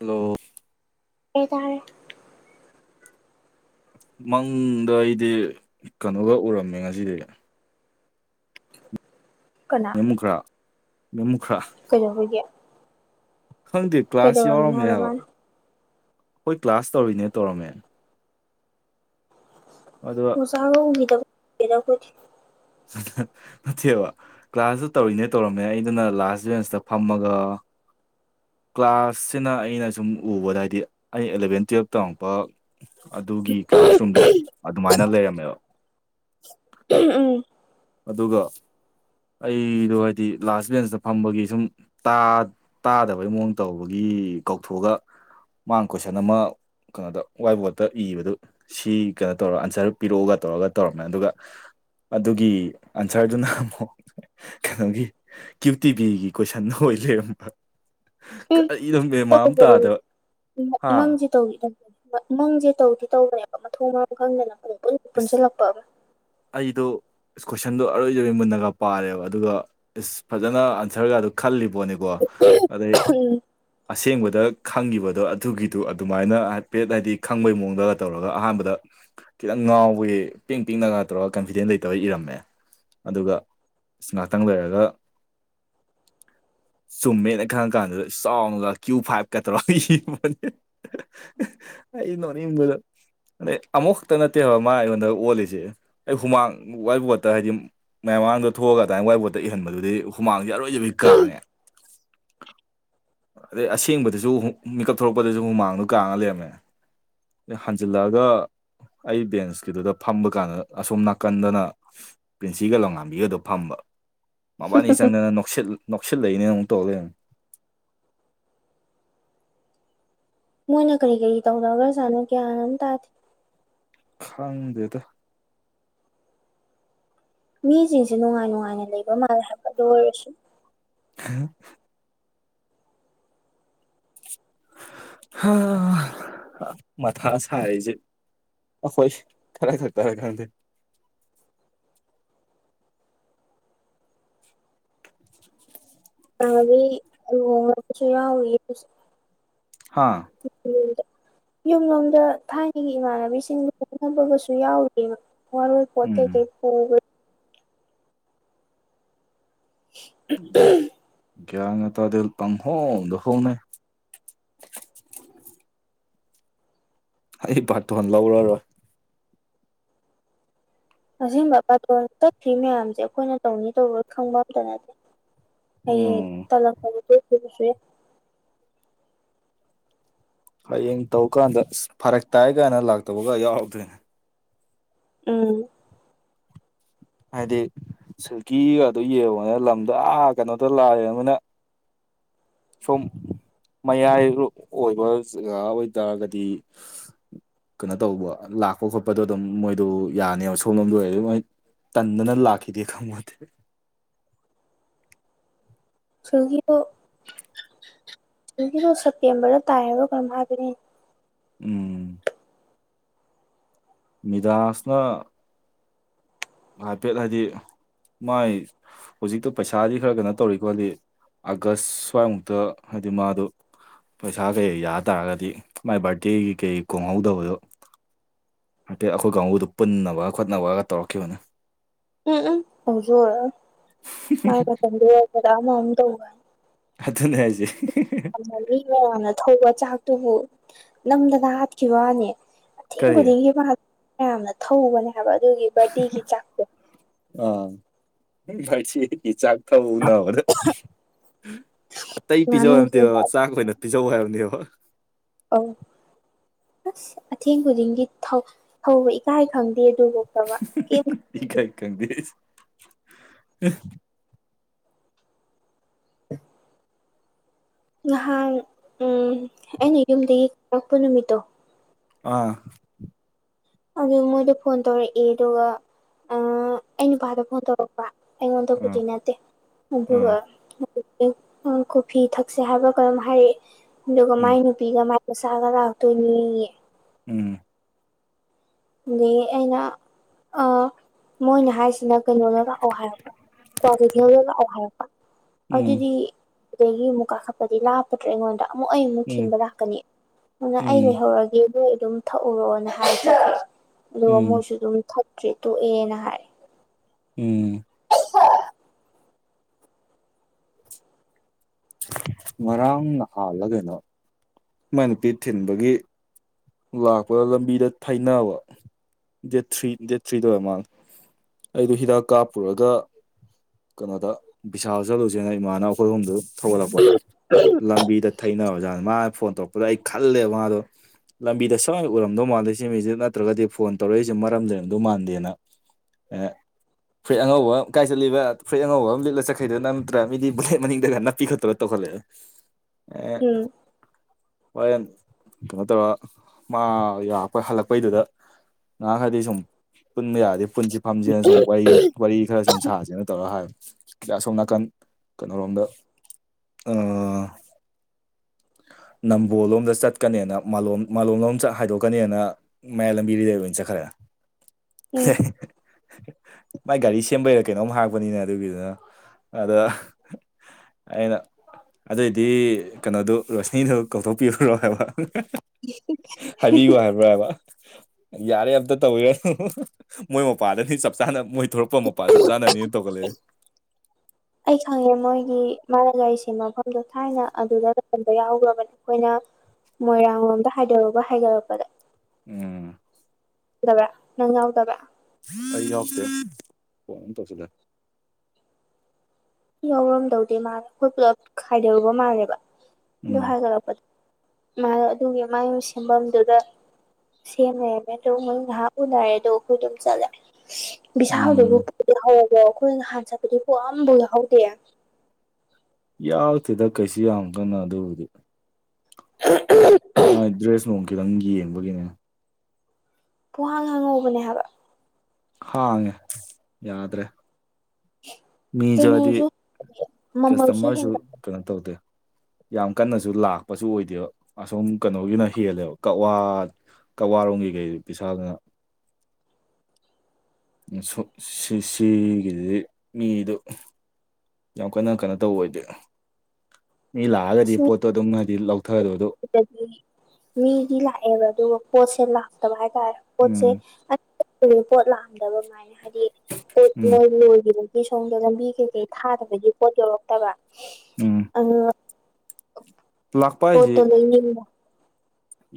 hello ꯑꯩꯇꯥꯔꯦ ꯃꯪꯗ ꯑꯩꯗꯤ ꯀꯩꯅꯣꯒ ꯎꯔꯝꯃꯦ ꯉꯁꯤꯗꯤ ꯃꯦꯃꯨꯈ꯭ꯔꯥ ꯃꯦꯝꯃꯨ ꯀꯩꯗꯧꯕꯒꯦ ꯈꯪꯗꯦ ꯀ꯭ꯂꯥꯁ ꯍꯥꯏꯕ ꯌꯥꯎꯔꯝꯃꯦꯕ ꯃꯥꯅ ꯑꯩꯈꯣꯏ ꯀ꯭ꯂꯥꯁ ꯇꯧꯔꯤꯅꯦ ꯇꯧꯔꯝꯃꯦ ꯑꯗꯨꯒ ꯑꯣꯖꯥꯒ ꯎꯒꯤꯗꯕ ꯀꯨꯏꯔꯦꯗ ꯑꯩꯈꯣꯏ ꯗꯤ ꯅꯠꯇꯦꯕ ꯀ꯭ꯂꯥꯁꯇ ꯇꯧꯔꯤꯅꯦ ꯇꯧꯔꯝꯃꯦ ꯑꯩꯗꯨꯅ ꯂꯥꯁ ꯦꯟꯁꯇ ꯐꯝꯃꯒ ꯑꯟꯑꯣꯗꯤꯕꯜ ꯀ꯭ꯂꯥꯁꯁꯤꯅ ꯑꯩꯅ ꯁꯨꯝ ꯎꯕꯗ ꯍꯥꯏꯗꯤ ꯑꯩ ꯑꯦꯂꯚꯦꯟ ꯇꯨꯌꯦꯜꯞ ꯇꯝꯃꯛꯄ ꯑꯗꯨꯒꯤ ꯀ꯭ꯂꯥꯁ ꯔꯨꯝꯗꯣ ꯑꯗꯨꯃꯥꯏꯅ ꯂꯩꯔꯝꯃꯦꯕ ꯎꯝ ꯑꯗꯨꯒ ꯑꯩꯗꯣ ꯍꯥꯏꯗꯤ ꯂꯥꯁ ꯕꯦꯟꯁꯇ ꯐꯝꯕꯒꯤ ꯁꯨꯝ ꯇꯥ ꯇꯥꯗꯕꯒꯤ ꯃꯑꯣꯡ ꯇꯧꯕꯒꯤ ꯀꯧꯊꯣꯛꯑꯒ ꯃꯥ ꯀꯣꯏꯁꯟ ꯑꯃ ꯀꯩꯅꯣꯗ ꯋꯥꯏꯠ ꯕꯣꯔꯗꯠꯇ ꯏꯕꯗꯨ ꯁꯤ ꯀꯩꯅꯣ ꯇꯧꯔꯒ ꯑꯟꯁꯔ ꯄꯤꯔꯛꯑꯒ ꯇꯧꯔꯒ ꯇꯧꯔꯝꯃꯦ ꯑꯗꯨꯒ ꯑꯗꯨꯒꯤ ꯑꯟꯁꯔꯗꯨꯅ ꯑꯃꯨꯛ ꯀꯩꯅꯣꯒꯤ ꯀ꯭ꯌꯨ ꯇꯤꯚꯕꯤꯒꯤ ꯀꯣꯏꯁꯟ ꯑꯣꯏ ꯂꯩꯔꯝꯕ ꯎꯝ ꯃꯦ ꯃꯟ ꯇꯧꯕꯅꯦ ꯇꯥꯗ ꯃꯪꯁꯦ ꯇꯧ ꯃꯪꯁꯦ ꯇꯧꯈꯤ ꯇꯧꯕꯅꯦꯕ ꯃꯊꯣꯡ ꯃꯔꯝ ꯈꯪꯗꯅ ꯄꯨꯡꯄꯨꯟ ꯄꯨꯟꯁꯤꯜꯂꯛꯄ ꯑꯃ ꯑꯩꯗꯣꯀꯣꯜ ꯀꯣꯏꯁꯟꯗꯣ ꯑꯔꯣꯏꯖ ꯃꯨꯟꯅꯒ ꯄꯥꯔꯦꯕ ꯑꯗꯨꯒ ꯏꯁ ꯐꯖꯅ ꯑꯟꯁꯔꯒꯗ ꯈꯜꯂꯤꯕ ꯅꯤꯀꯣ ꯑꯗꯩ ꯑꯁꯦꯡꯕꯗ ꯗ ꯈꯪꯉꯤꯕꯗꯣ ꯑꯗꯨꯒꯤꯗꯨ ꯑꯗꯨꯃꯥꯏꯅ ꯍꯥꯏꯐꯦꯠ ꯍꯥꯏꯗꯤ ꯈꯪꯕꯩ ꯃꯑꯣꯡꯗꯒ ꯇꯧꯔꯒ ꯑꯍꯥꯟꯕꯗ ꯈꯤꯇꯪ ꯉꯥꯎꯕꯒꯤ ꯄꯤꯡ ꯄꯤꯡꯅꯒ ꯇꯧꯔꯒ ꯀꯟꯐꯤꯗꯦꯟꯁ ꯂꯩꯇꯕꯔ ꯏꯔꯝꯃꯦ ꯑꯗꯨꯒ ꯉꯥꯏꯍꯥꯛꯇꯪ ꯂꯩꯔꯒ ꯆꯨꯝꯃꯦꯅ ꯈꯪꯉ ꯀꯥꯟꯗꯨꯗ ꯆꯥꯎꯉꯒ ꯀ꯭ꯌꯨ ꯐꯥꯏꯚꯀ ꯇꯧꯔꯒ ꯌꯦꯡꯕꯅꯦ ꯏ ꯅꯣꯅꯤꯗ ꯑꯃꯣ ꯈꯛꯇ ꯅꯠꯇꯦꯕ ꯃꯥ ꯑꯩꯉꯣꯟꯗ ꯑꯣꯜꯂꯤꯁꯦ ꯑꯩ ꯍꯨꯃꯥꯡ ꯋꯥꯏꯠ ꯕꯣꯔꯗꯠꯇ ꯍꯥꯏꯗꯤ ꯃꯌꯥꯝ ꯃꯃꯥꯡꯗꯣ ꯊꯣꯛꯑꯒ ꯑꯗꯨꯃꯥꯏ ꯋꯥꯏꯕꯠꯇ ꯏꯍꯟꯕꯗꯨꯗꯤ ꯍꯨꯃꯥꯡꯁꯤ ꯑꯔꯣꯏꯖꯕꯤ ꯀꯥꯡꯉꯦ ꯑꯗꯩ ꯑꯁꯦꯡꯕꯗꯁꯨ ꯃꯤꯀꯞ ꯊꯣꯔꯛꯄꯗꯁꯨ ꯍꯨꯃꯥꯡꯗꯨ ꯀꯥꯡꯉ ꯂꯩꯔꯝꯃꯦ ꯍꯟꯖꯤꯜꯂꯛꯑꯒ ꯑꯩ ꯕꯦꯟꯁꯀꯤꯗꯨꯗ ꯐꯝꯕ ꯀꯥꯟꯗ ꯑꯁꯣꯝ ꯅꯥꯀꯟꯗꯅ ꯄ꯭ꯔꯤꯟꯁꯤꯒ ꯂꯧꯉꯥꯝꯕꯤꯒꯗꯣ ꯐ ꯃꯕꯥꯅꯤ ꯆꯪꯗꯅ ꯅꯨꯡꯁꯤꯠ ꯅꯣꯛꯁꯤꯜꯂꯛꯏꯅꯦꯅ ꯑꯃꯨꯛ ꯇꯧꯔꯦ ꯃꯣꯏꯅ ꯀꯔꯤ ꯀꯔꯤ ꯇꯧꯔꯒ꯭ꯔꯖꯥꯅꯣ ꯀꯌꯥꯅꯣꯝ ꯇꯥꯗꯦ ꯈꯥꯡꯗꯦꯗ ꯃꯤꯁꯤꯡꯁꯦ ꯅꯨꯡꯉꯥꯏ ꯅꯨꯡꯉꯥꯏꯅ ꯂꯩꯕ ꯃꯥꯜꯂꯦ ꯍꯥꯏꯕꯗꯣ ꯑꯣꯏꯔꯁꯨ ꯑ ꯍꯥ ꯃꯊꯥꯁ ꯍꯥꯏꯖ ꯑꯈꯣꯏꯁ ꯈꯔ ꯈꯔ ꯇꯔ ꯈꯪꯗ ꯑꯗꯤ ꯍꯣꯝꯋꯔ ꯍꯥ ꯌꯨꯝꯂꯣꯝꯗ ꯊꯥꯏꯅꯒꯤ ꯏꯃꯥꯟꯅꯕꯤꯁꯤꯡ ꯂꯅꯕꯒꯁꯨ ꯌꯥꯎꯔꯤꯑꯕ ꯋꯥꯔꯣꯏ ꯄꯣꯠ ꯎꯝ ꯀꯩ ꯀꯩ [inaudible] ꯭ꯒꯌꯥ ꯉ ꯇꯗꯦꯜ ꯄꯪ ꯍꯣꯗ ꯍꯣꯡꯅꯩ ꯑꯩ ꯄꯥꯇꯣꯟ ꯂꯧꯔꯔꯣꯏ ꯑꯁꯤꯒꯨꯝꯕ ꯄꯥꯇꯣꯟ ꯆꯠꯇ꯭ꯔꯤ ꯃꯌꯥꯝꯁꯦ ꯑꯩꯈꯣꯏꯅ ꯇꯧꯅꯤ ꯇꯧꯔꯣꯏ ꯈꯪꯕ ꯑꯝꯇ ꯅꯠꯇꯦ ꯎꯝ ꯑꯩꯌꯦꯁꯦ ꯍꯌꯦꯡ ꯇꯧꯀꯥꯟꯗ ꯐꯔꯛ ꯇꯥꯏ ꯀꯥꯏꯅ ꯂꯥꯛꯇꯧꯕꯒ ꯌꯥꯎꯔꯧꯗꯣꯏꯅꯦ ꯎꯝ ꯍꯥꯏꯗꯤ ꯁꯤꯜꯀꯤꯒ ꯑꯗꯨ ꯌꯦꯡꯉꯣꯅꯤꯅ ꯂꯝꯗ ꯀꯩꯅꯣꯗ ꯂꯥꯛꯑꯦ ꯃꯣꯏꯅ ꯁꯣꯝ ꯃꯌꯥꯏ ꯑꯣꯏꯕ ꯖꯒꯥ ꯑꯣꯏꯇꯥꯔꯒꯗꯤ ꯀꯩꯅꯣ ꯇꯧꯕ ꯂꯥꯛꯄ ꯈꯣꯠꯄꯗꯣ ꯑꯗꯨꯝ ꯃꯣꯏꯗꯣ ꯌꯥꯅꯦꯕ ꯁꯣꯝꯂꯣꯝꯗ ꯑꯣꯏꯔ ꯑꯗꯨꯝꯏ ꯇꯟꯅꯅ ꯂꯥꯛꯈꯤꯗ ꯈꯪꯃꯗ ꯁꯨꯡꯒꯤ ꯑꯗꯨꯒꯤꯁꯨ ꯁꯦꯞꯇꯦꯝꯕꯔꯗ ꯇꯥꯏ ꯍꯥꯏꯔ ꯀꯔꯝ ꯍꯥꯏꯒꯅꯤ ꯎꯝ ꯃꯤꯗꯥꯁꯅ ꯍꯥꯏꯐꯦꯠ ꯍꯥꯏꯗꯤ ꯃꯥꯏ ꯍꯧꯖꯤꯛꯇꯣ ꯄꯩꯁꯥꯗꯤ ꯈꯔ ꯀꯩꯅꯣ ꯇꯧꯔꯤꯀꯣꯗꯤ ꯑꯥꯒꯁ ꯁ꯭ꯋꯥꯏꯃꯨꯛꯇ ꯍꯥꯏꯗꯤ ꯃꯥꯗꯣ ꯄꯩꯁꯥ ꯀꯩ ꯌꯥ ꯇꯥꯔꯒꯗꯤ ꯃꯥꯏ ꯕꯥꯔꯗꯦꯒꯤ ꯀꯩ ꯈꯣꯡꯍꯧꯗꯕꯗꯣ ꯍꯥꯏꯐꯦ ꯑꯩꯈꯣꯏ ꯀꯥꯡꯕꯨꯗꯨ ꯄꯨꯟꯅꯕ ꯈꯣꯠꯅꯕꯒ ꯇꯧꯔꯛꯈꯤꯕꯅꯤ ꯎꯝ ꯎꯝ ꯍꯧꯖꯥꯏꯗ ꯃꯤ ꯑꯗꯨꯅꯦ ꯍꯥꯏꯁꯦ ꯃꯌꯥꯝꯅ ꯊꯧꯕ ꯆꯥꯛꯇꯨꯕꯨ ꯅꯝꯗꯅ ꯍꯥꯠꯈꯤꯕꯅꯤ ꯑꯊꯦꯡ ꯀꯔꯤ ꯈꯨꯗꯤꯡꯒꯤ ꯌꯥꯝꯌꯥꯝꯅ ꯊꯧꯕꯅꯦ ꯍꯥꯏꯕ ꯑꯗꯨꯒꯤ ꯕꯥꯔꯗꯤꯦꯒꯤ ꯆꯥꯛꯁꯦ ꯑꯥ ꯆꯥꯛ ꯊꯧꯕ ꯅꯔ ꯑꯇꯩ ꯉꯥꯅꯨ ꯄꯤꯖꯧꯔꯝꯇꯦꯕ ꯊꯣꯡꯕ ꯆꯥꯛ ꯑꯣꯏꯅ ꯄꯤꯖꯧ ꯍꯥꯏꯔꯕꯅꯦꯕ ꯑꯧ ꯑꯁ ꯑꯊꯦꯡ ꯈꯨꯗꯤꯡꯒꯤ ꯊꯧꯕ ꯏꯀꯥꯏ ꯈꯪꯗꯦ ꯑꯗꯨꯕꯨ ꯐꯕ ꯀꯩꯝ ꯏ ꯀꯥꯏ ꯀꯗ ꯎ ꯉꯍꯥꯟ ꯎ ꯑꯩꯅ ꯌꯨꯝꯗꯒꯤ ꯀꯔꯛꯄ ꯅꯨꯃꯤꯠꯇꯣ ꯑꯥ ꯑꯗꯨ ꯃꯣꯏꯗ ꯐꯣꯟ ꯇꯧꯔꯛꯏ ꯑꯗꯨꯒ ꯑꯩ ꯅꯨꯄꯥꯗ ꯐꯣꯟ ꯇꯧꯔꯛꯄ ꯑꯩꯉꯣꯟꯗ ꯑꯥ ꯀꯗꯤ ꯅꯠꯇꯦ ꯑꯥ ꯑꯗꯨꯒ ꯀꯣꯐꯤ ꯊꯛꯁꯦ ꯍꯥꯏꯕꯒ ꯑꯗꯨꯝ ꯍꯥꯏꯔꯛꯑꯦ ꯑꯗꯨꯒ ꯎꯝ ꯃꯥꯏ ꯅꯨꯄꯤꯒ ꯃꯥꯏ ꯃꯁꯒꯔ ꯂꯥꯛꯇꯅꯤ ꯎꯝ ꯑꯗꯒꯤ ꯑꯩꯅ ꯑ ꯃꯣꯏꯅ ꯍꯥꯏꯁꯤ ꯁꯤꯅ ꯀꯩꯅꯣ ꯂ ꯂꯥꯛꯎ ꯍꯥꯏꯔꯛꯄ ꯀꯣ ꯀꯩꯊꯦꯜꯗ ꯂꯥꯛꯑꯣ ꯍꯥꯏꯔꯛꯄ ꯎꯝ ꯑꯗꯨꯗꯤ ꯑꯗꯨꯗꯒꯤ ꯃꯨ ꯀꯥ ꯍꯥꯛꯄꯗꯤ ꯂ ꯍꯥꯞꯄꯇ꯭ꯔꯦ ꯑꯩꯉꯣꯟꯗ ꯑꯃꯨꯛ ꯑꯩ ꯑꯃꯨꯛ ꯎꯝ ꯊꯤꯟꯕ ꯂꯥꯛꯀꯅꯤ ꯑꯗꯨꯅ ꯑꯩ ꯎꯝ ꯂꯩꯍꯧꯔꯒꯦ ꯑꯩꯣꯏ ꯑꯗꯨꯝ ꯊꯛꯎꯔꯣꯅ ꯍꯥꯏꯁꯦ ꯑꯗꯨꯒ ꯎꯝ ꯃꯣꯏꯁꯨ ꯑꯗꯨꯝ ꯊꯇ꯭ꯔꯤ ꯇꯨ ꯑꯦꯅ ꯍꯥꯏ ꯎꯝ ꯍ ꯉꯔꯥꯡ ꯅꯍꯥꯜꯂꯒꯩꯅꯣ ꯃ ꯅꯨꯄꯤ ꯊꯤꯟꯕꯒꯤ ꯂꯥꯛꯄꯗ ꯂꯝꯕꯤꯗ ꯊꯥꯏꯅꯕ ꯗꯦꯠ ꯊ꯭ꯔꯤ ꯗꯦꯠ ꯊ꯭ꯔꯤꯗꯧꯔꯦ ꯃꯥꯜꯂꯦ ꯑꯩꯗꯨ ꯍꯤꯗꯥꯛ ꯀꯥꯞꯄꯨꯔꯒ ꯀꯩꯅꯣꯗ ꯄꯕꯤꯁꯥ ꯆꯠꯂꯨꯁꯦꯅ ꯏꯃꯥꯅ ꯑꯩꯈꯣꯏꯔꯣꯝꯗꯨ ꯊꯧꯒꯠꯂꯛꯄ ꯂꯝꯕꯤꯗ ꯊꯩꯅꯕ ꯑꯣꯖꯥꯠ ꯃꯥꯅ ꯐꯣꯟ ꯇꯧꯔꯛꯄꯗ ꯑꯩ ꯈꯜꯂꯦꯕ ꯃꯥꯗꯣ ꯂꯝꯕꯤꯗ ꯁꯨꯡꯅ ꯎꯔꯝꯗꯧ ꯃꯥꯟꯜꯂꯤꯦ ꯁꯤꯃꯤꯁꯦ ꯅꯠꯇ꯭ꯔꯒꯗꯤ ꯐꯣꯟ ꯇꯧꯔꯛꯏꯁꯦ ꯃꯔꯝ ꯂꯩꯔꯝꯗꯧ ꯃꯥꯟꯗꯦꯅ ꯑ ꯐ꯭ꯔꯔꯤꯠ ꯑꯉꯧꯕ ꯑꯃ ꯀꯥꯏ ꯆꯠꯂꯤꯕ ꯐꯨꯔꯤꯠ ꯑꯉꯧꯕ ꯑꯃ ꯂꯤꯛꯂ ꯆꯠꯈꯩꯗꯨꯅ ꯅꯠꯇ꯭ꯔ ꯃꯤ ꯕꯨꯂꯦꯠ ꯃꯅꯤꯡꯗꯒ ꯞꯄꯤ ꯈꯠꯇꯅ ꯇꯧꯈꯠ ꯈꯂꯦ ꯎꯝ ꯋꯥꯔ ꯀꯠꯇ ꯃꯥ ꯌꯥꯔꯛꯄ ꯍꯜꯂꯛꯄꯩꯗꯨꯗ ꯉꯥꯡ ꯈꯔꯗꯤ ꯁꯨꯝ ꯄꯨꯟꯕ ꯌꯥꯗꯤꯦ ꯄꯨꯨꯟꯁꯤ ꯐꯝꯁꯤꯅ ꯁꯨꯝ ꯋꯥꯔꯤ ꯋꯥꯔꯤ ꯈꯔ ꯁꯨꯝ ꯁꯥꯁꯦꯅ ꯇꯧꯔꯒ ꯍꯥꯏꯦ ꯀꯂꯥꯁꯣꯝ ꯅꯥꯀꯟ ꯀꯩꯅꯣꯔꯣꯝꯗ ꯅꯝꯕꯣꯂꯣꯝꯗ ꯆꯠꯀꯅꯦꯅ ꯃꯥꯂꯣꯝ ꯃꯥꯂꯣꯝꯂꯣꯝ ꯍꯥꯏꯗꯣꯛꯀꯅꯤꯅ ꯃꯌꯥꯏ ꯂꯝꯕꯤꯗꯨꯗꯩ ꯂꯣꯏ ꯑꯣꯏꯅ ꯆꯠꯈ꯭ꯔꯦ ꯎꯝ ꯃꯥꯥꯏ ꯒꯥꯔꯤ ꯁꯦꯝꯕ ꯀꯩꯅꯣꯝ ꯍꯥꯞꯄꯅꯤꯅ ꯑꯗꯨꯒꯤꯗꯨꯅ ꯑꯗ ꯑꯩꯅ ꯑꯗꯨꯏꯗꯤ ꯀꯩꯅꯣꯗꯨ ꯔꯣꯁꯅꯤꯗꯨ ꯀꯧꯊꯣꯛꯄꯤꯈꯨꯔꯣ ꯍꯥꯏꯕ ꯍꯥꯏꯕꯤꯌꯣ ꯍꯥꯏꯕ꯭ꯔꯥ ꯍꯥꯏꯕ ꯌꯥꯔꯦ ꯑꯝꯇ ꯇꯧꯋꯤꯔ ꯃꯣꯏ ꯃꯄꯥꯗꯅꯤ ꯆꯞ ꯆꯥꯅ ꯃꯣꯏ ꯊꯣꯛꯂꯛꯄ ꯃꯄꯥ ꯆꯞ ꯆꯥꯅꯅꯤꯅ ꯇꯧꯒꯠꯂꯛꯑꯦ [inaudible] ꯑꯩ ꯈꯪꯉꯦ ꯃꯣꯏꯒꯤ ꯃꯥꯥꯅꯖꯥꯏꯁꯤ ꯁꯤ ꯃꯐꯝꯗꯣ ꯊꯥꯏꯅ ꯑꯗꯨꯗ ꯂꯩꯝꯕ ꯌꯥꯎꯍꯈ꯭ꯔꯕꯅꯦ ꯑꯩꯈꯣꯏꯅ ꯃꯣꯏꯔꯥꯡꯂꯣꯝꯗ ꯍꯥꯏꯗꯣꯔꯒ ꯍꯥꯏꯗꯣꯔꯛꯄꯗ ꯎꯝ ꯗꯕꯦ ꯅꯪꯥꯎꯎꯗꯕ ꯀ ꯍꯐꯇꯦ ꯐꯟ ꯇꯁꯤꯂꯦ ꯌꯥꯎꯔꯝꯗꯧꯗꯦ ꯃꯥꯜꯂꯦ ꯑꯩꯈꯣꯏ ꯄꯨꯜꯂꯞ ꯈꯥꯏꯗꯔꯨꯕ ꯃꯥꯜꯂꯦꯕ ꯑꯗꯨ ꯎꯝ ꯍꯥꯏꯒꯠꯂꯛꯄꯗꯣ ꯑꯗꯨꯒꯤ ꯃꯌ ꯁꯦꯝꯐꯝꯗꯨꯗ ꯁꯦꯃꯦ ꯍꯥꯏ ꯃ ꯇꯧ ꯉꯃ ꯎꯅꯔꯦ ꯗꯣꯈꯣꯏ ꯇꯝ ꯆꯂ ꯎꯝ ꯕꯤꯁꯥꯎꯗꯨꯕꯨꯗꯤ ꯍꯧꯕꯣ ꯑꯩꯈꯣꯏꯅꯍꯥꯟ ꯆꯠꯄꯗꯤ ꯄꯨꯑꯕꯨ ꯌꯥ ꯌꯥꯎꯛꯇꯦꯗ ꯀꯩꯁꯨ ꯌꯥꯝ ꯀꯅꯣ ꯑꯗꯨꯕꯨꯗꯤ ꯍ ꯃꯥꯏ ꯗ꯭ꯔꯦꯁ ꯅꯨꯡ ꯈꯤꯇꯪ ꯌꯦꯡꯕꯒꯤꯅꯦ ꯄꯍꯥꯡ ꯍꯥꯡꯉꯧꯕꯅꯦ ꯍꯥꯏꯕ ꯍꯥꯡꯉꯦ ꯌꯥꯗ꯭ꯔꯦ ꯃꯤꯁꯨ ꯅꯤꯁꯨ ꯍꯥꯏꯗꯤ ꯀꯁꯇꯃꯔꯁꯨ ꯀꯩꯅꯣ ꯇꯧꯗꯦ ꯌꯥꯝ ꯀꯟꯅꯁꯨ ꯂꯥꯛꯄꯁꯨ ꯑꯣꯏꯗꯦꯕ ꯑꯁꯣꯝ ꯀꯩꯅꯣꯒꯤꯅ ꯍꯦꯜꯂꯦꯕ ꯀꯋꯥ ꯀꯋꯥ ꯄꯔꯣꯝꯒꯤ ꯀꯩ ꯄꯤꯁꯥꯗꯅ ꯁꯨ ꯁꯤꯁꯤꯒꯤꯗꯨꯗꯤ ꯃꯤꯗꯨ ꯌꯥꯝ ꯀꯟꯅ ꯀꯩꯅꯣ ꯇꯧꯕ ꯑꯣꯏꯗꯤ ꯃꯤ ꯂꯥꯛꯑꯒꯗꯤ ꯄꯣꯠꯇꯣ ꯑꯗꯨꯝ ꯍꯥꯏꯗꯤ ꯂꯧ ꯑꯗꯨꯗꯤ ꯃꯤꯗꯤ ꯂꯥꯛꯑꯦꯕ ꯑꯗꯨꯒ ꯄꯣꯠꯁꯦ ꯂꯥꯛꯇꯕ ꯍꯥꯏꯠ ꯍꯣꯏ ꯄꯣꯠꯁꯦ ꯎꯝ ꯄꯣꯠ ꯂꯥꯛꯑꯝꯗꯕ ꯃꯥꯥꯏꯅ ꯍꯥꯏꯗꯤꯏ ꯄꯣꯠ ꯎꯝ ꯃꯣꯏ ꯂꯣꯏꯒꯤꯕꯒꯤ ꯁꯣꯝꯗ ꯂꯝꯕꯤ ꯀꯩꯀꯩ ꯊꯥꯗꯕꯒꯤ ꯄꯣꯠ ꯌꯧꯔꯛꯇꯕ ꯎꯝ ꯑ ꯑꯣ ꯂꯥꯛꯄ ꯍꯥꯏꯁꯤ ꯄꯣꯠꯇꯣ ꯂꯩꯅꯤꯡꯕꯔ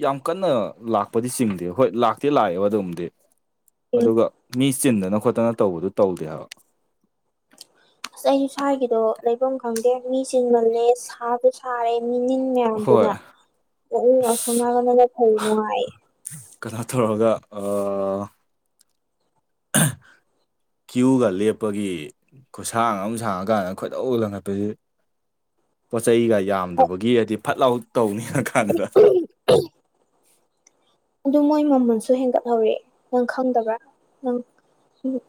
ꯌꯥꯝ ꯀꯟꯅ ꯂꯥꯛꯄꯗꯤ ꯆꯤꯡꯗꯦ ꯍꯣꯏ ꯂꯥꯛꯇꯦ ꯂꯥꯛꯑꯦꯕ ꯑꯗꯨꯝꯗꯤ ꯑꯗꯨꯒ ꯃꯤ ꯆꯤꯟꯗꯅ ꯈꯣꯠꯇꯅ ꯇꯧꯕꯗꯨ ꯇꯧꯗꯦ ꯍꯥꯏꯕ ꯑꯁ ꯑꯩꯁꯨ ꯁ꯭ꯋꯥꯏꯒꯤꯗꯣ ꯂꯩꯐꯝ ꯈꯪꯗꯦ ꯃꯤ ꯆꯤꯟꯃꯜꯂꯦ ꯁꯥꯕꯨ ꯁꯥꯔꯦ ꯃꯤꯅꯤꯟ ꯍꯣꯏ ꯃꯌꯥꯝꯗꯨꯅ ꯑꯁꯨꯝ ꯑꯁ ꯅꯥꯀꯟꯗꯅ ꯐꯩ ꯅꯨꯡꯉꯥꯏ ꯀꯅꯥ ꯇꯧꯔꯒ ꯑ [inaudible] ꯀ꯭ꯌꯨꯒ ꯂꯦꯞꯄꯒꯤ ꯈꯨꯁꯥꯡ ꯑꯃ ꯁꯥꯡꯉꯀꯥꯟꯗ ꯈꯣꯏꯗꯧ ꯂꯪꯈꯠꯄꯁꯤꯗꯤ ꯄꯣꯠ ꯆꯩꯩꯒ ꯌꯥꯝꯗꯕꯒꯤ ꯍꯥꯏꯗꯤ ꯐꯠ ꯂꯥꯎ ꯇꯧꯅꯤꯡ ꯀꯥꯟꯗꯨꯗ [inaudible] ꯑꯗꯨ ꯃꯣꯏ ꯃꯃꯜꯁꯨ ꯍꯦꯟꯒꯠꯍꯧꯔꯦ ꯅꯪ ꯈꯪꯗꯕ꯭ꯔꯥ ꯅꯪ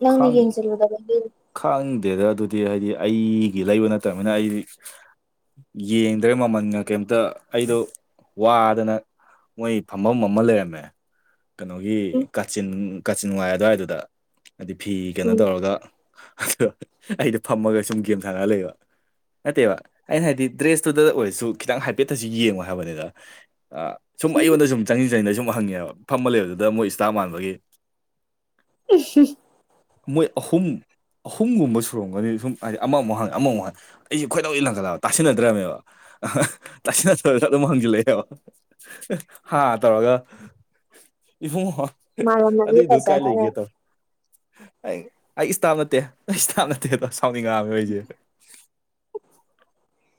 ꯅꯪꯅ ꯈꯥꯡ ꯌꯦꯡꯁꯤꯜꯂꯨꯗꯕꯒꯤ ꯈꯥꯡꯗꯦꯗ ꯑꯗꯨꯗꯤ ꯍꯥꯏꯗꯤ ꯑꯩꯒꯤ ꯂꯩꯕ ꯅꯠꯇꯕꯅꯤꯅ ꯑꯩ ꯌꯦꯡꯗ꯭ꯔꯦ ꯃꯃꯜꯒ ꯀꯩꯝꯇ ꯑꯩꯗꯣ ꯋꯥꯗꯅ ꯃꯣꯏ ꯐꯝꯐꯝ ꯑꯃ ꯂꯩꯔꯝꯃꯦ ꯎꯝ ꯀꯩꯅꯣꯒꯤ ꯀꯥꯆꯤꯟ ꯀꯥꯆꯤꯟ ꯋꯥꯥꯏ ꯑꯗꯨꯋꯥꯏꯗꯨꯗ ꯍꯥꯏꯗꯤ ꯐꯤ ꯀꯩꯅꯣ ꯎꯝ ꯇꯧꯔꯒ ꯑꯩꯗꯨꯗ ꯑꯩꯗꯣ ꯐꯝꯃꯒ ꯁꯨꯝ ꯒꯦꯝ ꯁꯥꯟꯅ ꯂꯩꯕ ꯅꯠꯇꯦꯕ ꯑꯩꯅ ꯍꯥꯏꯗꯤ ꯗ꯭ꯔꯦꯁꯇꯨꯗ ꯑꯣꯏꯔꯁꯨ ꯈꯤꯇꯪ ꯍꯥꯏꯐꯦꯠꯇꯁꯨ ꯌꯦꯡꯉꯣ ꯍꯥꯏꯕꯅꯤꯗ ꯁꯨꯝ ꯑꯩꯉꯣꯟꯗ ꯁꯨꯝ ꯆꯪꯁꯤꯟ ꯆꯪꯅꯤꯡꯗ ꯑꯩ ꯁꯨꯝ ꯍꯪꯉꯦꯕ ꯐꯝꯃ ꯂꯩꯕꯗꯨꯗ ꯃꯣꯏ ꯏꯁꯇꯥꯞ ꯃꯥꯟꯕꯒꯤ ꯏꯁ ꯃꯣꯏ ꯑꯍꯨꯝ ꯑꯍꯨꯝꯒꯨꯝꯕ ꯁꯨꯔꯝꯒꯅꯤ ꯁꯨꯝ ꯍꯥꯏꯗꯤ ꯑꯃꯃꯨꯛ ꯍꯥꯡ ꯑꯃꯃꯨꯛ ꯍꯥꯌ ꯑꯩꯁꯦ ꯈꯣꯏꯗꯧ ꯂꯟꯒꯠꯂꯑꯒ ꯇꯥꯁꯤꯟꯅꯗ꯭ꯔꯕꯅꯦꯕ ꯇꯁꯦꯡꯅ ꯁꯁꯨ ꯑꯗꯨꯝ ꯍꯪꯁꯤꯜꯂꯛꯦꯕ ꯍꯥ ꯇꯧꯔꯒ ꯏꯕꯨꯉꯣ ꯃꯥꯜꯂꯝꯃꯅꯤ ꯑꯗꯨꯗꯣ ꯀꯥꯏ ꯐꯖꯅ ꯂꯩꯒꯦ ꯇꯧ ꯑꯩ ꯑꯩ ꯏꯁꯇꯥꯞ ꯅꯠꯇꯦ ꯑꯩ ꯏꯁꯇꯥꯞ ꯅꯠꯇꯦ ꯑꯗꯣ ꯁꯥꯎꯅꯤꯡꯉꯥꯝꯃꯦ ꯑꯩꯁꯦ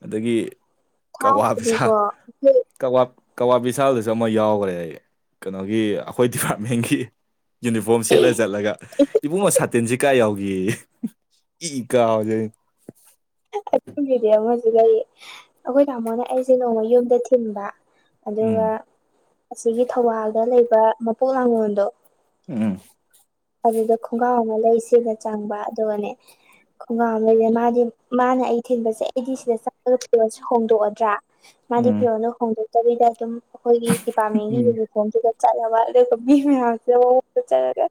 ꯑꯗꯒꯤ ꯀꯋꯥ ꯕꯤꯁꯜ ꯊꯥꯏꯅꯗꯤꯀꯣ ꯑꯩꯈꯣꯏ ꯀꯋꯥ ꯀꯋꯥ ꯕꯤꯁꯥꯜꯗꯨꯁꯨ ꯑꯃ ꯌꯥꯎꯈ꯭ꯔꯦ ꯑꯩ ꯀꯩꯅꯣꯒꯤ ꯑꯩꯈꯣꯏ ꯗꯤꯄꯥꯔꯠꯃꯦꯟꯒꯤ ꯌꯨꯅꯤꯐꯣꯝ ꯁꯦꯠꯂ ꯆꯠꯂꯒ ꯏꯕꯨꯡꯉꯣ ꯁꯥꯇꯤꯟꯁꯤ ꯀꯥ ꯌꯥꯎꯈꯤ ꯏ ꯀꯥꯕꯖꯤ ꯑꯩꯅ ꯑꯗꯨꯒꯤꯗꯤ ꯑꯃꯁꯨ ꯂꯩ ꯑꯩꯈꯣꯏ ꯇꯥꯃꯣꯅ ꯑꯩꯁꯦ ꯅꯣꯡꯃ ꯌꯨꯝꯗ ꯊꯤꯟꯕ ꯑꯗꯨꯒ ꯎꯝ ꯑꯁꯤꯒꯤ ꯊꯧꯕꯥꯜꯗ ꯂꯩꯕ ꯃꯄꯣꯛ ꯂꯥꯡꯒꯣꯜꯗꯣ ꯎꯝ ꯑꯗꯨꯗ ꯈꯣꯡꯒ꯭ꯔꯥꯎ ꯑꯃ ꯂꯩꯁꯤꯅ ꯆꯪꯕ ꯑꯗꯨꯒꯅꯦ ꯈꯣꯡꯒ꯭ꯔꯥꯎ ꯑꯃ ꯂꯩꯔꯦ ꯃꯥꯗꯤ ꯃꯥꯅ ꯑꯩ ꯊꯤꯟꯕꯁꯦ ꯑꯩꯗꯤ ꯁꯤꯗ ꯆꯥꯒ ꯐꯤꯔꯣꯜꯁꯦ ꯍꯣꯡꯗꯣꯛꯑꯗ꯭ꯔꯥ ꯃꯥꯗꯤ ꯎꯝ ꯐꯤꯔꯣꯜꯗꯣ ꯍꯣꯡꯗꯣꯛ ꯗ ꯑꯗꯨꯝ ꯑꯩꯈꯣꯏꯒꯤ ꯗꯤꯄꯥꯔꯠꯃꯦꯟꯒꯤ ꯎꯝ ꯌꯨꯅꯤꯐꯣꯝꯗꯨꯗ ꯆꯥꯏꯍꯥꯏꯕ ꯃꯤ ꯃꯌꯝꯁꯤꯅ ꯃꯍꯣꯟꯗ ꯁꯪꯡꯉꯥꯒ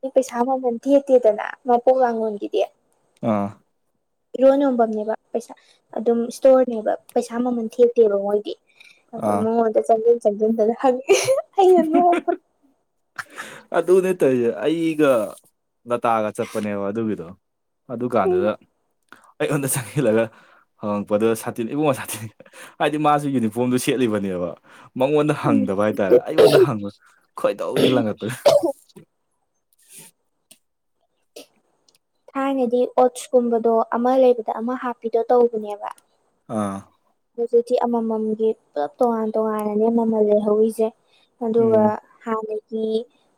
ꯑꯩ ꯄꯩꯁꯥ ꯃꯃꯟ ꯊꯦꯠꯇꯦꯗꯅ ꯃꯄꯣꯛ ꯂꯉꯣꯟꯒꯤꯗꯤ ꯑꯥ ꯏꯔꯣꯟ ꯌꯣꯐꯝꯝꯅꯦꯕ ꯄꯩꯁꯥ ꯑꯗꯨꯝ ꯏꯁꯇꯣꯔꯅꯦꯕ ꯄꯩꯁꯥ ꯃꯃꯟ ꯊꯦꯛꯇꯦꯕ ꯃꯣꯏꯗꯤ ꯑꯗꯨ ꯑꯥ ꯃꯑꯣꯟꯗ ꯆꯡꯖꯟ ꯆꯡꯖꯟꯗꯅ ꯍꯥꯡꯏ [inaudible] ꯑꯗꯨ ꯅ ꯇꯧꯔꯤꯁꯦ ꯑꯩꯒ ꯂꯇꯥꯒ ꯆꯠꯄꯅꯦꯕ ꯑꯗꯨꯒꯤꯗꯣ ꯑꯗꯨꯀꯥꯟꯗꯨꯗ ꯑꯩꯉꯣꯟꯗ ꯆꯪꯁꯤꯜꯂꯒ ꯍꯪꯉꯛꯄꯗ ꯁꯥꯇꯤꯟ ꯏꯕꯨꯡꯉꯣ ꯁꯥꯇꯤꯟ ꯍꯥꯏꯗꯤ ꯃꯥꯁꯨ ꯌꯨꯅꯤꯐꯣꯔꯝꯗꯨ ꯁꯦꯠ ꯆꯠꯂꯤꯕꯅꯦꯕ ꯃꯉꯣꯟꯗ ꯎꯝ ꯍꯪꯗꯕ ꯍꯥꯏꯇꯥꯔꯦ ꯑꯩꯉꯣꯟꯗ ꯍꯪꯕ ꯈꯣꯏꯗꯧꯁꯤ ꯂꯪꯒꯠꯇꯣꯏ [inaudible] ꯊꯥꯏꯅꯗꯤ ꯑꯣꯠꯁꯀꯨꯝꯕꯗꯣ ꯑꯃ ꯂꯩꯕꯗ ꯑꯃ ꯍꯥꯞꯄꯤꯗꯣ ꯇꯧꯕꯅꯦꯕ ꯑꯥ ꯍꯧꯖꯤꯛꯇꯤ ꯑꯃꯃꯝꯒꯤ ꯄꯨꯂꯞ ꯇꯣꯉꯥꯟ ꯇꯣꯉꯥꯟꯅꯅꯦ ꯃꯃꯜꯂꯦ ꯍꯧꯏꯁꯦ ꯑꯗꯨꯒ ꯎꯝ ꯍꯥꯟꯅ ꯒꯤ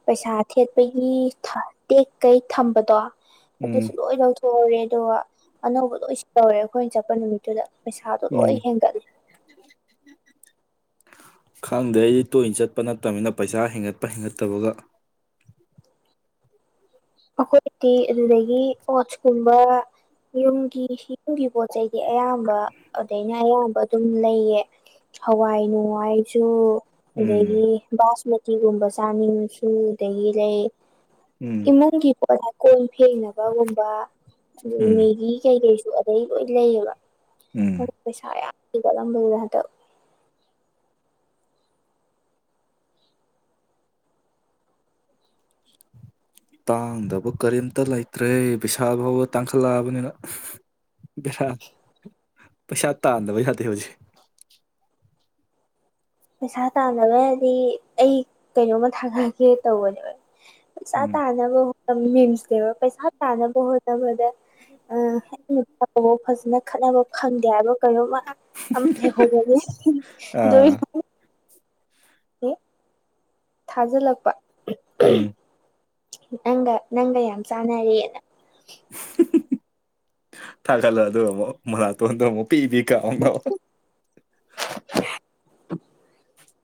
ꯄꯩꯁꯥ ꯊꯦꯠꯄꯒꯤ ꯇꯦꯛ ꯀꯩ ꯊꯝꯕꯗꯣ ꯎꯝ ꯑꯗꯨꯁꯨ ꯂꯣꯏ ꯂꯧꯊꯣꯛꯎꯔꯦ ꯑꯗꯨꯒ ꯑꯅꯧꯕ ꯂꯣꯏꯁꯨ ꯇꯧꯔꯦ ꯑꯩꯈꯣꯏꯅ ꯆꯠꯄ ꯅꯨꯃꯤꯠꯇꯨꯗ ꯄꯩꯁꯥꯗꯣ ꯎꯝ ꯂꯣꯏ ꯍꯦꯟꯒꯠꯂ ꯈꯪꯗꯦ ꯑꯩꯗꯤ ꯇꯣꯏꯅ ꯆꯠꯄ ꯅꯠꯇꯅꯤꯅ ꯄꯩꯁꯥ ꯍꯦꯟꯒꯠꯄ ꯍꯦꯟꯒꯠꯇꯕꯒ ꯑꯩꯈꯣꯏꯗꯤꯤ ꯑꯗꯨꯗꯒꯤ ꯋꯥꯆꯀꯨꯝꯕ ꯌꯨꯝꯒꯤ ꯌꯨꯝꯒꯤ ꯄꯣ ꯆꯩꯗ ꯑꯌꯥꯝꯕ ꯑꯗꯩꯩꯅ ꯑꯌꯥꯝꯕ ꯑꯗꯨꯝ ꯂꯩꯌꯦ ꯍꯋꯥꯏ ꯅꯨꯡꯋꯥꯏꯁꯨ ꯎꯝ ꯑꯗꯒꯤ ꯕꯥꯁꯃꯇꯤꯒꯨꯝꯕ ꯆꯥꯅꯤꯡꯉꯁꯨ ꯑꯗꯒꯤ ꯂꯩ ꯎꯝ ꯏꯃꯨꯡꯒꯤ ꯄꯣꯠꯁ ꯀꯣꯟ ꯐꯦꯡꯅꯕꯒꯨꯝꯕ ꯑꯗꯒꯤ ꯎꯝ ꯃꯦꯒꯤ ꯀꯩꯀꯩ ꯑꯗꯩ ꯂꯣꯏ ꯂꯩꯌꯦꯕ ꯎꯝ ꯄꯩꯁꯥ ꯌꯥꯝ ꯀꯝꯕꯣꯏꯅꯇ ꯇꯥꯡꯗꯕ ꯀꯔꯤꯝꯇ ꯂꯩꯇ꯭ꯔꯦ ꯄꯩꯁꯥ ꯐꯥꯎꯕ ꯇꯥꯡꯈꯠꯂꯛꯑꯕꯅꯤꯅ ꯕꯔ ꯄꯩꯁꯥ ꯇꯥꯗꯕ ꯌꯥꯗ ꯍꯧꯖꯤꯦ ꯄꯩꯁꯥ ꯇꯥꯅꯕ ꯍꯥꯏꯗꯤ ꯑꯩ ꯀꯩꯅꯣꯝꯃ ꯊꯥꯒꯠꯒꯦ ꯇꯧꯕꯅꯦ ꯄꯩꯁꯥ ꯎꯝ ꯇꯥꯅꯕ ꯍꯣ ꯃꯤꯟꯁꯇꯦꯕ ꯄꯩꯁꯥ ꯇꯥꯅꯕ ꯍꯣꯠꯅꯕꯗ ꯑ ꯅꯨꯄꯥ ꯐꯖꯅ ꯈꯠꯅꯕ ꯐꯪꯗꯦ ꯍꯥꯏꯕ ꯀꯩꯅꯣꯝꯃ ꯍꯒ ꯑꯥ ꯊꯥꯖꯤꯜꯂꯛꯄ ꯎꯝ ꯅꯪꯒ ꯅꯪ ꯌꯥꯝ ꯆꯥꯅꯔꯑꯦꯅ [inaudible] ꯊꯥꯒꯠꯂ ꯑꯗꯨꯒ ꯑꯃꯨꯛ ꯃꯅꯥꯇꯣꯟꯗꯣ ꯑꯃꯨꯛ ꯄꯤꯕꯤ ꯀꯥꯎꯅ [inaudible] [inaudible]